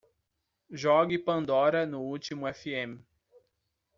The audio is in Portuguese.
Jogue Pandora no último Fm